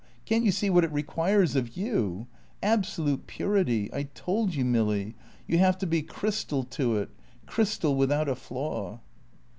Can't you see what it requires of you? Absolute purity. I told you, Milly. You have to be crystal to it crystal without a flaw."